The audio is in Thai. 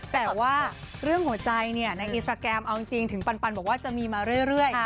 แต่ว่าเรื่องหัวใจในอินสตราแกรมเอาจริงถึงปันบอกว่าจะมีมาเรื่อย